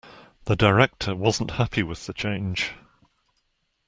The director wasn't happy with the change.